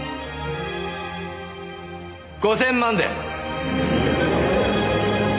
５０００万で。